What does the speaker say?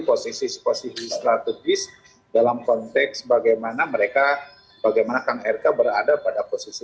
posisi posisi strategis dalam konteks bagaimana mereka bagaimana kang rk berada pada posisi